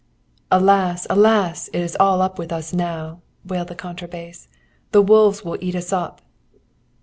"'Alas, alas! It is all up with us now!' wailed the contra bass. 'The wolves will eat us up.'